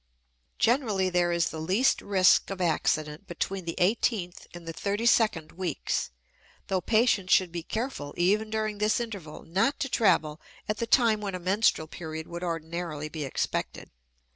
Generally there is the least risk of accident between the eighteenth and the thirty second weeks, though patients should be careful even during this interval not to travel at the time when a menstrual period would ordinarily be expected.